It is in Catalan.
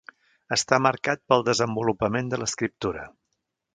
Està marcat pel desenvolupament de l'escriptura.